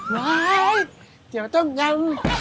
วายเตี๋ยวต้มยำ